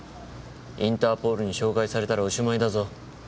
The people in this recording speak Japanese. インターポールに照会されたらおしまいだぞ。